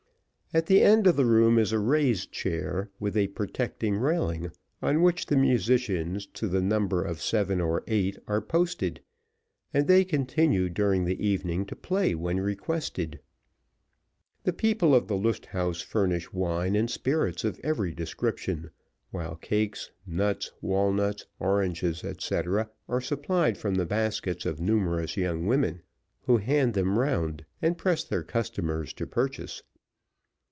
At the end of the room is a raised chair, with a protecting railing, on which the musicians, to the number of seven or eight, are posted, and they continue during the evening to play when requested. The people of the Lust Haus furnish wine and spirits of every description, while cakes, nuts, walnuts, oranges, &c, are supplied from the baskets of numerous young women who hand them round, and press their customers to purchase.